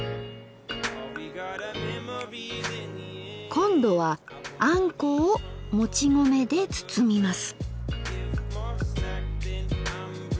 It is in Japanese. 今度はあんこをもち米でつつみます。